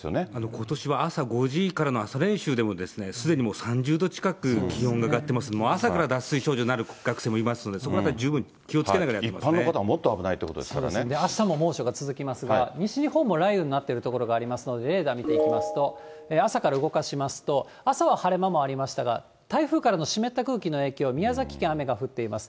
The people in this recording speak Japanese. ことしは朝５時からの朝練習でもすでにもう３０度近く気温が上がっていますので、もう朝から脱水症状になる学生もいますので、そこらあたり、十分一般の方はもっと危ないといあしたも猛暑が続きますが、西日本の雷雨になっている所がありますので、レーダー見ていきますと、朝から動かしますと、朝は晴れ間もありましたが、台風からの湿った空気の影響、宮崎県、雨が降っています。